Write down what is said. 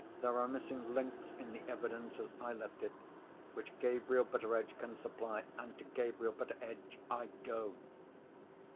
There are missing links in the evidence, as I left it, which Gabriel Betteredge can supply, and to Gabriel Betteredge I go!"